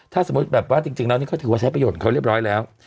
ถ้าสมมุติแบบว่าจริงแล้วนี่เขาถือว่าใช้ประโยชนเขาเรียบร้อยแล้ว